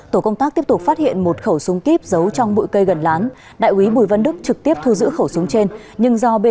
tổ công tác tiếp tục phát hiện một khẩu súng kíp giấu trong bụi cây gần lán